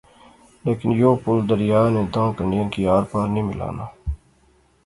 لیکن یو پل دریا نے داں کنڈیاں کی آر پار نی ملانا